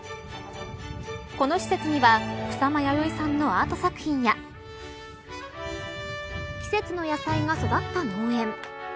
この施設には草間彌生さんのアート作品や季節の野菜が育った農園。